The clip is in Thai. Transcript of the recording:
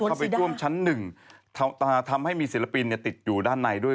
เข้าไปท่วมชั้นหนึ่งทำให้มีศิลปินติดอยู่ด้านในด้วย